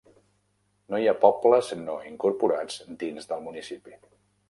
No hi ha pobles no incorporats dins del municipi.